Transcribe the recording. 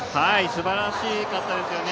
すばらしかったですよね。